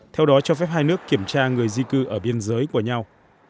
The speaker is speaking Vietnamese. theo đó cho phép hai nước kiểm tra người di cư ở biên giới của nhau